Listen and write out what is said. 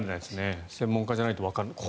専門家じゃないとわからない。